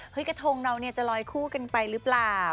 กระทงเราเนี่ยจะลอยคู่กันไปหรือเปล่า